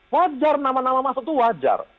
wajar nama nama masuk itu wajar